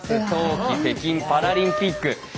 冬季北京パラリンピック。